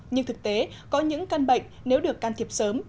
nhưng thực tế có những căn bệnh nếu được can thiệp sớm